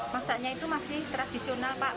masaknya itu masih tradisional pak